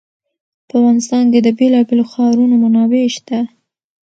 په افغانستان کې د بېلابېلو ښارونو منابع شته.